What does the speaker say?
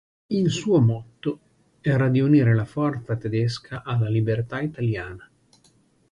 Il suo motto era di unire la forza tedesca alla libertà italiana.